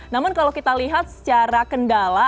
namun kalau kita lihat secara kendala